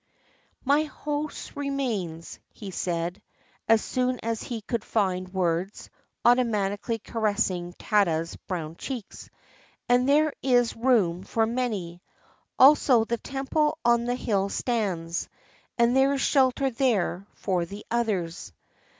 "My house remains," he said, as soon as he could find words, automatically caressing Tada's brown cheeks; "and there is room for many. Also the temple on the hill stands; and there is shelter there for the others."